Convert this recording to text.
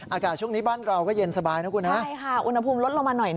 อากาศช่วงนี้บ้านเราก็เย็นสบายนะคุณฮะ